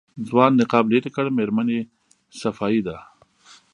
ځوان نقاب لېرې کړ مېرمنې صفايي ده.